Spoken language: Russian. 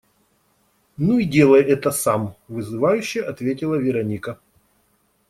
«Ну и делай это сам», - вызывающе ответила Вероника.